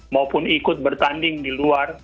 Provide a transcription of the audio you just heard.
maupun ikut bertanding di luar